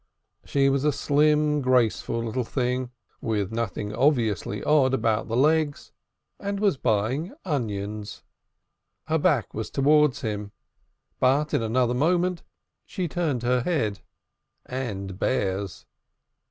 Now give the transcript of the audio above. She was a slim, graceful little thing, with nothing obviously odd about the legs, and was buying onions. Her back was towards him, but in another moment she turned her head and Bear's.